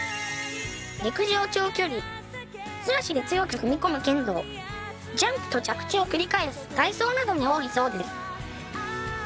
陸上長距離素足で強く踏み込む剣道ジャンプと着地を繰り返す体操などに多いそうです